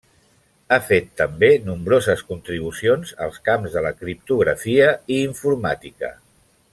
Ha fet també nombroses contribucions als camps de la criptografia i informàtica.